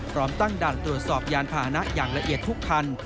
พร้อมตั้งด่านตรวจสอบยานพาหนะอย่างละเอียดทุกคัน